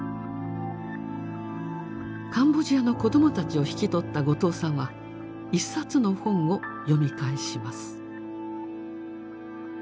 カンボジアの子どもたちを引き取った後藤さんは一冊の本を読み返します。